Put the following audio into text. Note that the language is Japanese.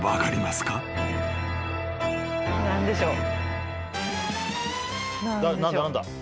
何だ？